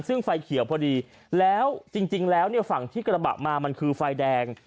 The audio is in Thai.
ซึ่งไฟเขียวพอดีแล้วจริงแล้วเนี่ยฝั่งที่กระบะมามันคือไฟแดง